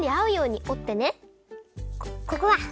ここだ！